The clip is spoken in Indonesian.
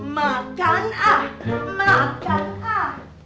makan ah makan ah